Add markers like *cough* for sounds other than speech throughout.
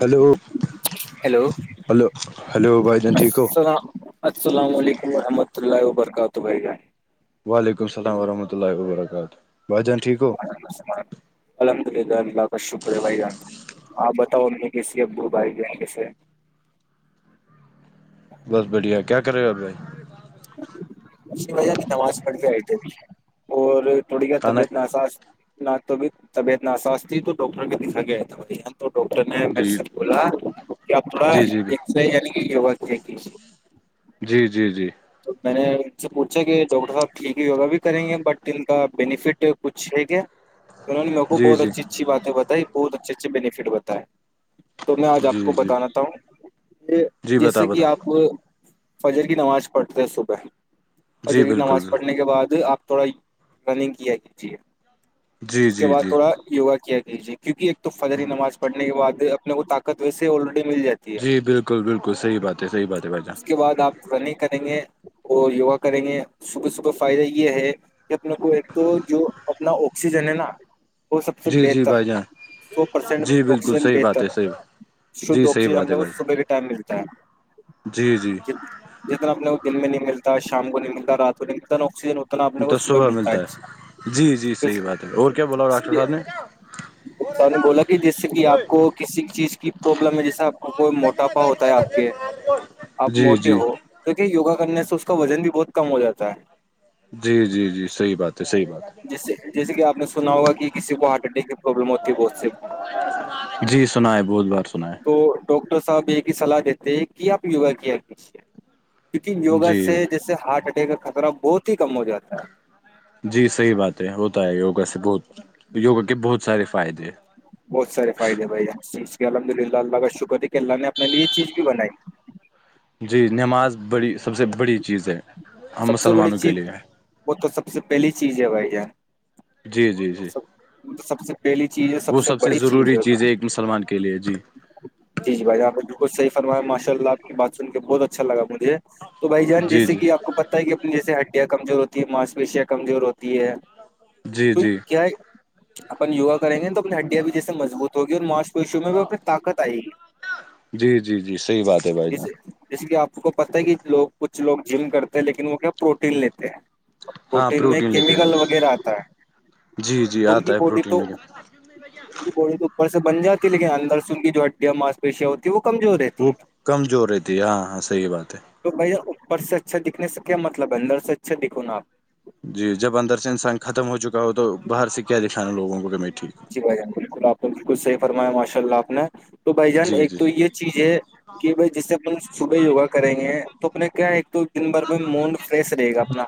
Hello hello hello hello بھائی جان ٹھیک ہو السلام علیکم و رحمۃ اللہ و برکاتہ بھا وعلیکم السلام ورحمۃ اللہ و برکاتہ بھائی جان ٹھیک ہو الحمد للہ اللہ کا شکر ہے بھائی جان آپ بتاؤ امی کیسی ابو بھائی بہن کیسے بس بڑھیا کیا کرے ہو بھائی کی نماز پڑ جائے *unintelligible* اور تھوڑی کیا کھانا طبیعت ناساس نہ تو ابھی طبیعت ناساس تھی تو ڈاکٹر کو دیکھا ایا تھا بھائی تو ڈاکٹر نےمیرے جی سے بولا کہ اپنا جی جی جی ایکس یعنی کی جی جی جی تو میں نے ان سے پوچھا کہ ڈاکٹر صاحب ٹھیک ہے یوگا بھی کریں گے بٹ ان کا بینیفٹ کچھ ہے کیا انہوں نے میرے کو جی بہت اچھی اچھی باتیں بتائی بہت اچھے اچھے بینیفٹ بتائے تو میں آج آپ جی کو جی بتانا ہوں یہ جی بتا جیسے بتا کہ آپ فجر کی نماز پڑھتے صبح اور جی جلید بالکل نماز بالکل پڑھنے کے بعد آپ تھوڑا رننگ کیا کیجے جی اس کے جی بعد جی تھوڑا یوگا کیا کیجیے کیونکہ فجرکی نماز پڑنے کے بعد اپنے کو طاقت ویسے آلریڈی مل جاتی ہے جی بالکل بالکل صحیح بات ہے صحیح بات ہے بھائی جان اس کے بعد آپ رننگ کریں گے اور یوگا کریں گے صبح صبح فائدہ یہ ہے کہ اپنے کو ایک تو جو اپنا آکسیجن ہے نا وہ سب سے جی جی بہتر بھائی جان سو پرسینٹ جی بالکل آکسیجن صحیح بات بہتر ہے صحیح شھود جی صحیح آکسیجن بات ہم ہے لوگ کو بھائی صبح کے ٹائم ملتا ہے جی جی جتنا اپنے کو دن میں نہیں ملتا شام کو نہیں ملتا رات کو نہیں ملتا نہ آکسیجن اتنا اپنےکو صبح ملتا ہے جی جی صحیح بات ہے اور کیا بولا اس ڈاکٹر لیے صاحب ڈاکٹر نے بولا کہ جس سے کہ نے آپ کو کسی چیز کی پروابلم میں جیسا آپ کو کوئی موٹاپا ہوتا ہے آپ کے آپ جی موٹے جی ہو توکی یوگا کرنے سے اس کا وزن بھی بہت کم ہو جاتا ہے جی جی جی صحیح بات ہے صحیح بات ہے جیسے جیسے کہ آپ نے سنا ہوگا کہ کسی کو ہارٹ اٹیک کی پرابلم ہوتی ہے بہت سے جی سنا ہے بہت بار سنا ہے تو ڈاکٹر صاحب یہ ایک ہی سلاح دیتے ہیں کی آپ یوگا کیا کیجے کیونکہ یوگا جی سے جیسے ہارٹ اٹیک کا خطرہ بہت ہی کم ہو جاتا ہے جی صحیح بات ہے ہوتا ہے یوگا سے بہت یوگا کے بہت سارے فائدے بہت سارے فائدے بھائی جان الحمد للہ اللہا کا شکر کے اللہ نے اپنے لیے چیز بھی بنائی جی نماز بڑی سب سے بڑی چیز ہے ہم سب سے بڑی مسلمانوں کے چیز لیے وہ تو سب سے پہلی چیز ہے بھائی جان جی جی جی سب وہ تو سب سے پہلی چیز ہے وہ سب سے بڑی ضروری وہ تو چیز ہے ایک مسلمان کے لیے جی جی جی بھائی جان آپ نے بالکل صحیح فرمایا ہے ماشاء اللہ آپ کی بات سن کے بہت اچھا لگا مجھے تو بھائی جان جی جیسے جی کہ آپ کو پتہ ہے کہ اپنی جیسے ہڈیاں کمزور ہوتی ہے ماس پیشیاں کمزور ہوتی ہے جی تو جی کیا ہے اپن یوگا کریں گے نا تو اپنی ہڈیاں بھی جیسے مضبوط ہوگی اور معاش پشو میں بھی پھر طاقت آئے گی جی جی جی صحیح بات ہے بھائی جے جان جسے کی آپ کو پتہ ہے کہ لوگ کچھ لوگ جم کرتے ہیں لیکن وہ کیا پروٹین لیتے ہیں ہاں پروٹین میں لیتے ہو کیمیکل وغیرہ آتا جی جی ہے ان کی آتا ہے بوڈی پروٹین تو بوڑی تو اوپر سے بن جاتی ہے لیکن اندر سے کی جو ہڈیاں ما پیشیاں ہوتی ہے وہ کمزور رہتی وہ ہے کمزور رہتی ہے ہاں ہاں صحیح بات ہے تو بھیا اوپر سے اچھا دکھنے کیا مطلب ہے اندر سے اچھا دکھو نا آپ جی جب اندر سے انسان ختم ہو چکا ہو تو باہر سے کیا دکھانا لوگوں کو کہ میں ٹھیک ہوں جی بھائی جان بالکل آ کو بالکل صحیح فرمایا ماشاء اللہ آپ نے تو بھائی جان جی ایک جی تو یہ چیز ہے کہ بھائی جس سے ہم صبح یوگا کریں گے تو اپنے کیا ہے ایک تو دن بھر میں موڈ فریش رہے گا اپنا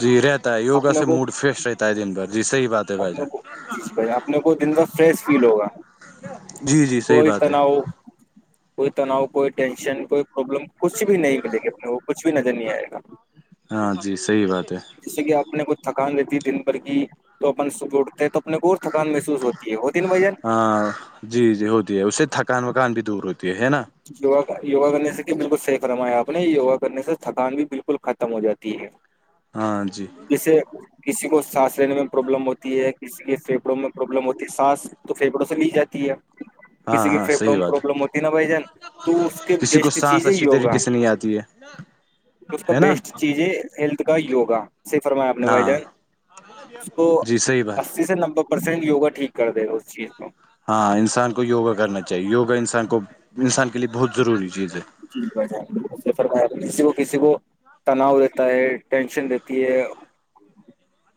جی رہتا ہے یوگا اپنے سے کو موڈ فریش رہتا ہے دن بھر جی صحیح بات ہے بھائی اپنے جان کو جی جی اپنے کو دن بہ فریش فیل ہوگا جی جی صحیح کوئی بات ہے تناؤ کوئی تناؤ کوئی ٹینشن کوئی پرابلم کچھ بھی نہیں ملے گی اپ کو کچھ بھی نظر نہیں آئے گا ہاں جی صحیح بات ہے جیسے کہ آپ نے کچھ تھکان دیتی ہے دن بھر کی تو اپن صبح اٹھتے ہیں تو اپنے کو اور تھکان محسوس ہوتی ہے ہوتی نا وجہ ہاں جی جی ہوتی ہے اس سے تھکان وکان بھی دور ہوتی ہے نا یوا یوگا کرنے سے کہ بالکل سی فرمایا ہے آپ نے یوگا کرنے سے تھکان بھی بالکل ختم ہو جاتی ہے ہاں جی جسے کسی کو سانس لینے میں پروابلم ہوتی ہے کسی کے پھیپڑوں میں پرابلم ہوتی ہے سانس تو پھیپڑوں سے لی جاتی ہے ہاں کسی کے ہاں پھیپڑوں صحیح میں بات پروابلم ہوتی ہے نا بھائی جان تو اس کے کسی کو بیسٹ چیز سانس ہے اچھی یوگا طریقے سے نہیں آتی ہے اس کا ہے نا بیسٹ چیز کیجیے ہیلتھ کا یوگا صحیح ے فرمایا آپ نے بھائی ہاں جان اس کو جی صحیح بات اسی سے نوے پرسینٹ یوگا ٹھیک کر دےا اس چیز کو ہاں انسان کو یوگا کرنا چاہیے یوگا انسان کو انسان کے لیے بہت ضروری چیز ہے جی جی بھائی جان بلکل صحی فرمایا کسی کو کسی کو تناؤ رہتا ہے ٹینشن رہتی ہے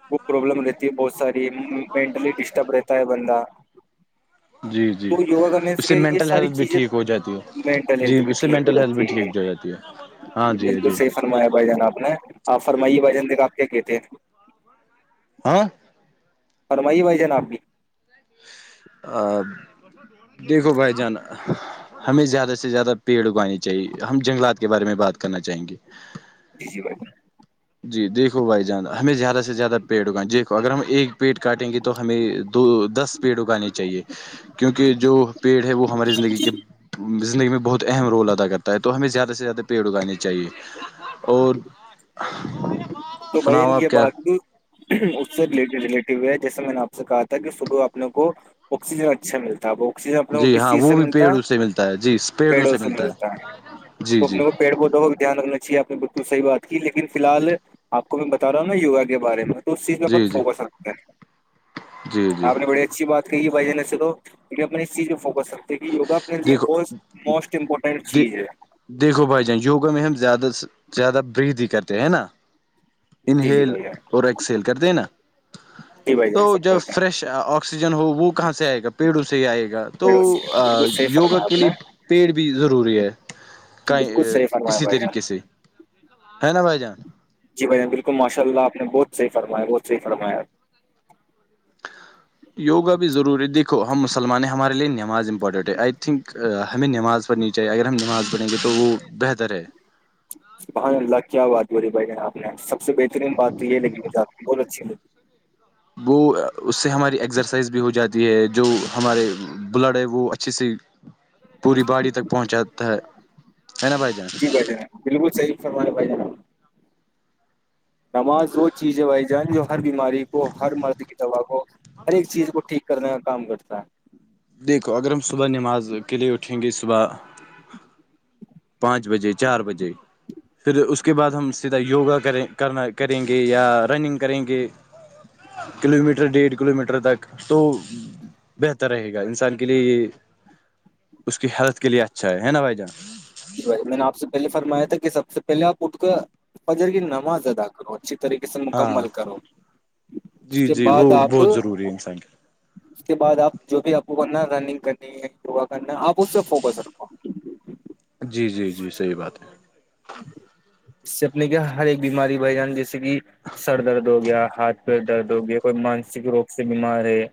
وہ پرابلم رہتی بہت ساری مینٹلی ڈسٹرب رہتا ہے بندہ جی جی تو یوگا کرنے اس سے یہ مینٹل ساری ہیلتھ بھی چیزیں ٹھیک ہو جاتی ہے مینٹل جی ہیلتھ بھی اس سے ٹھیک ہو مینٹل ہیلتھ جاتی بھی ہے ٹھیک جاتی ہاں جی بالکل جی صحیح فرمایا بھائی جان آپ نے آپ فرمائیے بھائی جان دیکھ آپ کیا کہ تھے ہیں ہاں فرمائیے بھائی جان آپ ا دیکھو بھائی جان ہمیں زیادہ سے زیادہ پیڑ اگانی چاہیے ہمیں جنگلات کے بارے میں بات کرنا چاہیں گے جی جی بھائی جان جی دیکھو بھائی جان ہمیں زیادہ سے زیادہ پیڑ اگائیں دیکھو اگر ہم ایک پیڑ کاٹیں گے تو ہمیں دو دس پیڑ اگانے چاہیے کیونکہ جو پیڑ ہے وہ ہماری زندگی کے زندگی میں بہت اہم رول ادا کرتا ہے تو ہمیں زیادہ سے زیادہ پیڑ اگانے چاہیے اور اور تو بھائی جان کی بات کو اس سے ر ریلیٹیو ہو ہے جیسے میں نے آپ سے کہا تھا کہ صبح اپنے کو آکسیجن اچھا ملتا ہے وہ آکسیجن اپنے کو جی کس ہاں چیز وہ سے بھی ملتا ہے پیڑوں سے ملتا ہے جی پیڑوں سے ملتا ہے جی تو جی اپنے کو پیڑ پودوں اور دھیان رکھنا چاہیے اپنے بالکل صحیح بات کی لیکن فیل حال آپ کو میں بتا رہا ہوں نا یوگا کے بارے میں اس چیز میں جی جی فوکس رکھتے ہیں جی جی آپ نے بڑے اچھی بات کہی ہے ہھائی جان ویسے تو کیونکہ اپنے اس چیز پہ فوکس رکھ دیکھیے یوگا اپنے لیے دیکھو بہت موسٹ امپورٹنٹ چیز ہے دیکھو بھائی جان یوگا میں ہم زیادہ سے زیادہ برید کرتے ہیں ہے نا جی جی انہیل بھائی جان اور ایکسہل کرتے ہیں نا جی بھائی تو جان سب جب کرتے فریش آکسیجن ہو وہ کہاں سے آئے گا پیڑوں سے ہی آئے گا پیڈاؤ سے آ یوگا کے لیے پیڑ بھی ضروری بالکل صحیح فرمایا ہےکسی بھائی جان طریقے سے ہے نا بھائی جان جی بھائی جان بلکل مشاء اللہ آپ نے بہت صحیح فرمایا بہت صحیح فرمایا یوگا بھی ضروری دیکھو ہم مسلمان ہیں ہمارے لیے نماز امپورٹنٹ ہے آئی تھنک ہمیں نماز پڑنی چاہیے اگر ہم نماز پڑھیں گے تو وہ بہتر ہے بھائی اللہ کیا بات بولیے بھائی جان آپ نے سب سے بہترین بات تو یہ لگی مجھے آپ کی بہت اچھی لگی وہ اس سے ہماری ایکزرسائز بھی ہو جاتی ہے جو ہمارے بلڈ ہے وہ اچھے سے پوری باڑی تک پہنچاتا ہے ہے نا بھائی جان جا بلکل صحیح فرماے بھائی جان نماز وہ چیز ہے بھائی جان جو ہر بیماری کو ہر مرد کی دوا کو ہر ایک چیز کو ٹھیک کرنے کا کام کرتا ہے دیکھو اگر ہم صبح نماز کے لیے اٹھیں گے صبح پانچ بجے چار بجے پھر اس کے بعد ہم سیدھا یوگا کریں کرنا کریں گے یا رننگ کریں گے کلو میٹر ڈیڑھ کلو میٹر تک تو بہتر رہے گا انسان کے لیے یہ اس کی ہیلتھ کے لیے اچھا ہے ہے نا بھائی جان جی بھائی جان میں نے آپ پہلے فرمایا تھا کہ سب سے پہلے آپ اٹھ کر فجر کی نماز ادا کرو اچھی طریقے سے ہاں مکمل کرو اس جی کے جی بعد وہ آپ بہت ضروری ہے انسان کے اس کے بعد آپ جو بھی آپ کو کرنا رننگ کرنی ہے یوگا کرنا ہے آپ اس سے فوکس رکھو جی جی جی صحیح بات ہے اس سے اپنے کے ہر ایک بیماری بھائی جان جیسے کہ سر درد ہو گیا ہاتھ پیر درد ہو گیا کوئی مانسک روگ سے بیمار ہے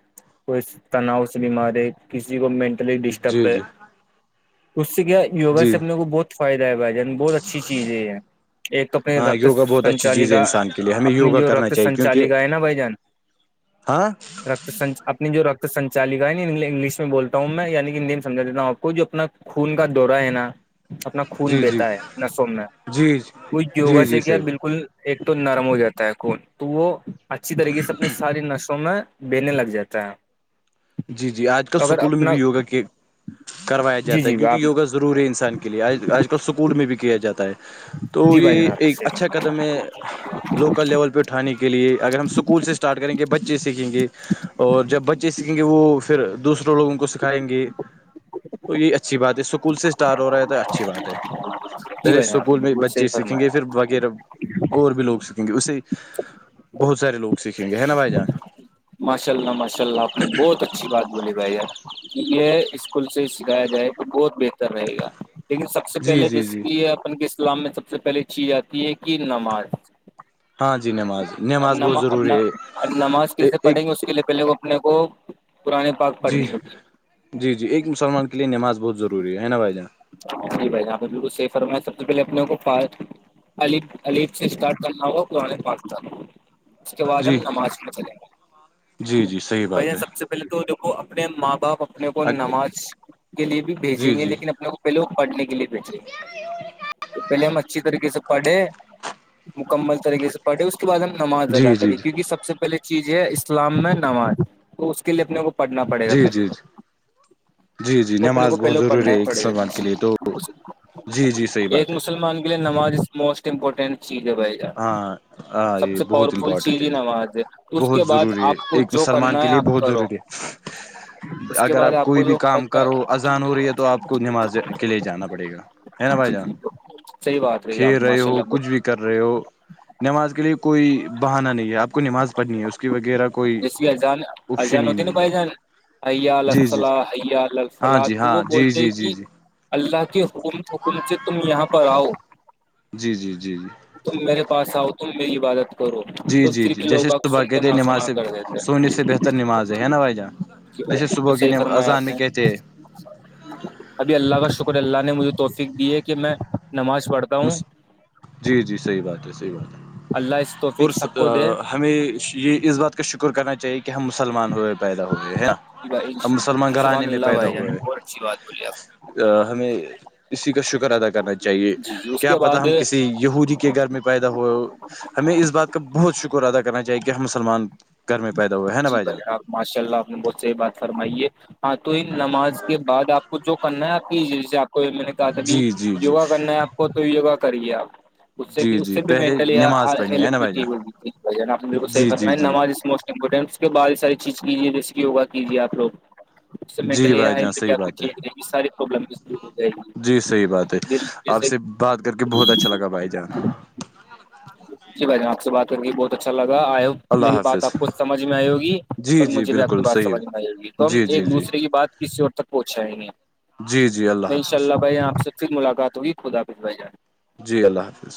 کوئی تناؤ سے بیماری کسی کو مینٹلی ڈسٹرب جی ہے جی تو اس سے کیا یوگا سے جی اپنے کو بہت فائدہ ہے بھائی جان بہت اچھی چیز ہے یہ ایک تو اپنی ہاں رکت یوگا بہت اچھی چیز ہے سنچالکا انسان کے لیے ہمیں اپنی یوگا جو کرنا رکت چاہیے کیونکہ سنچالکا ہے نا بھائی جان ہاں رت اپنی جو رکت سنالکا ہے انگلش میں بولتا ہوں میں یعنی کہ ہندی میں سجھا دیتا ہوں آپ کو جو اپنا خون کا دورا ہے نا اپنا خون جی جی بیتا ہے نسوں میں جی وہ یوگا جی جی سے کیا صحیح بلکل ایک تو نرم ہو جاتا ہے خون تو وہ اچھی طریقے سے اپنے سارے نش میں بینے لگ جاتا ہے جی جی آج کل تو اگر اسکولوں میں اپنا بھی یوگا کے کروایا جی جاتا ہے جی کیونکہ آپ یوگا ضروری انسان کے لیے آج آج کل اسکول میں بھی کیا جاتا ہے تو جی بھائی یہ ایک جناب اچھا قدم ہے لوکل لیول پہ اٹھانے کے لیے اگر ہم اسکول سے اسٹارٹ کریں گے بچے سیکھیں گے اور جب بچے سے کھیں گے وہ پھر دوسرے لوگوں کو سکھائیں گے تو یہ اچھی بات ہے سکول سے اسٹار ہو رہا ہے ہے اچھی بات ہے جی پہلے بھائی جناب اسکول میں بالکل صحیح بچے سیکھیں فرمایا گے پھر وغیرہ اور بھی لوگ سیکھیں گے اس سے بہت سارے لوگ سیکھیں گے ہے نا بھائی جان ماشاءاللہ ماشاء اللہ آپ نے بہت اچ چھی بات بولے بھائی یہ اسکول سے سکھایا جائے تو بہت بہتر رہے گا لیکن سب سے جی پہلے جی جس جی کی اپن کے اسلام میں سب سے پہلے چیز آتی ہے کہ نماز ہاں جی نماز نماز بہت نما ضروری نا ہے نماز کیسے پڑھیں ایک گے اس کے لیے پہلے وہ اپنے کو پرانے پاک جی پڑھنی ہوگی جی جی ایک مسلمان کے لیے نماز بہت ضروری ہے نا بھائی جان جی بھائی یہاں پہ بالکل صحیح فرمایا سب سے پہلے اپنے کو علب علب سے اسٹارٹ کرنا ہوگا قرآن پاک کا اس کے بعد ہم جی نماز میں چلیں جی جی صحیح گے بھییا بات ہے سب سے پہلے تو دیکھو اپنے ماں باپ اپنے کو نماز کے لیے بھی بھیجیں جی گے جی لیکن اپنے کو لوگ پڑھنے کے لیے بھیج رہے تو پہلے ہم اچھی طریقے سے پڑھے مکمل طریقے سے پڑھے اس کہ بعد ہم نماز ادا جی جی جی کرے کیونکہ سب سے پہلے چیز ہے اسلام میں نماز تو اس کے لیے اپنے وہ پڑھنا پڑے گا جی جی پہلے جی جی وہ اپنے نماز کو بہت پہلے ضروری پڑھنا ہی ہے ایک پڑے مسلمان کے لیے تو گا جی جی صحیح بات ہے ے نماز اس موسٹ امپورٹنٹ چیز ہے بھائی ہاں ہاں سب یہ سے بہت پاورفل چیز امپورٹنٹ ہی ہے نماز ہے اس کے بہت بعد ضروری ہے آپ کو ایک جو مسلمان کرنا کے ہے لیے آپ بہت کرو ضروری ہے اس کے اگر بعد آپ کو کوئی بھی جو کام کرو اذان ہو رہی ہے تو آپ کو نماز کے لیے جانا پڑے گا ہے نا بھائی جی جان جی صحیح بات ہے یار تمہا وہ کچھ بھی کر رہے ہو نماز کے لیے کوئی بہانہ نہیں ہے آپ کو نماز پڑھنی ہے اس کی وغیرہ کوئی جیسے کی اذان اذان آپشن ہی ہوتی نا نہیں ہے بھائی جان حی علی جی جی الصلوۃ حی علی ہاں الفلاح جی تو وہ ہاں جی بولتے جی کی جی جی اللہ کے حکم حکم سے تم یہاں پر آؤ جی جی جی تم میرے پاس آؤ تم میری عبادت کرو جی تو جی پھر جی بھی لوگ جیسے صبح سن کے کہتے ہیں نہ سنا نماز سے کر دیتے ہیں. سونے سے بہتر نماز ہے ہے نا بھائی جان جی جیسے بھائی بالکل صبح کی صحیح نا فرمایا اذان آپ میں نے کہتے ہیں ابھی اللہ کا شکر اللہ نے مجھے توفیق دی ہے کہ میں نماز پڑھ مس جی جی صحیح بات ہے صحیح بات ہے اللہ اس اور توفیق سب سدآ کو دے ہمیں یہ اس بات کا شکر کرنا چاہیے کہ ہم مسلمان ہوئے پیدا ہوئے ہے نا ہم مسلمان گھرانے سبحان میں اللہ پیدا بھائی جان ہوئے ہے بہت اچھی بات بولی آپ آہ ہمیں اسی کا شکر ادا کرنا چاہیے جی جی اس کیا کے پتہ بعد ہم کسی یہودی کہ گھر میں پیدا ہو ہمیں اس بات کا بہت شکر ادا کرنا چاہیے کہ ہم مسلمان گھر میں پیدا ہوئے ہے نا جی بھائی جان آپ ماشاء اللہ آپ نے بہت سہی بات فرمائی ہے ہاں تو ان نماز کے بعد آپ کو جو کرنا ہے آپ کیجیے جیسے کوئی میں نے کہا تھا بھی جی جی جی یوگا کرنا ہے آپ کو تو یوگا کریے آپ اس سے بھی جی اس جی سے بھی پہلے مینٹلی ہا نماز پڑھنی ہے نا ہیلپ بھائی ہوتی جان جی آپ نے بالکل صحیح جی جی فرمایا جی نماز اس موس کے بعد ساری چیز کیجیے جیسے کہ یوگا کیجیے آپ لوگ جی بھائی جان صحیح بات ہے جی صحیح بات ہے *unintelligible* آپ سے بات کر کے بہت اچھا لگا بھائی جان جی بھائی جان آپ سے بات کر کے بہت اچھا لگ آئے میری اللہ بات آپ حافظ کو سمجھ میں آئے ہو گی جی اور جی مجھے بھی آپ کی بالکل بات صحیح سمجھ میں آئے ہو گی تو ہم جی جی ایک جی دوسرے کی بات کسی اور تک پہنچ جائیں گے جی جی اللہ ان شاء حافظ اللہ بھائی آپ سے پھر ملاقات ہوگی خداحافظ بھائی جان جی اللہ حافظ